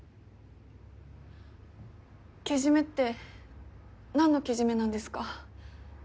けじめって何のけじめなんですか？